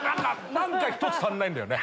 何か１つ足んないんだよね。